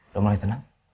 dua mulai tenang